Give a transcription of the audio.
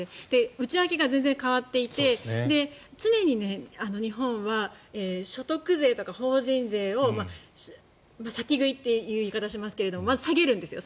内訳が全然変わっていて常に日本は所得税とか法人税を先食いといういい方しますがまず下げるんですよ。